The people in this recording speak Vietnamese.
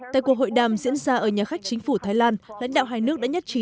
tại cuộc hội đàm diễn ra ở nhà khách chính phủ thái lan lãnh đạo hai nước đã nhất trí